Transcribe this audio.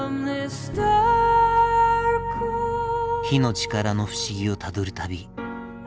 火の力の不思議をたどる旅。